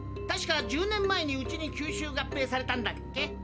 確か１０年前にうちに吸収合併されたんだっけ。